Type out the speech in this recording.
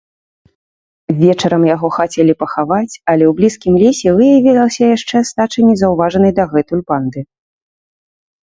Вечарам яго хацелі пахаваць, але ў блізкім лесе выявілася яшчэ астача незаўважанай дагэтуль банды.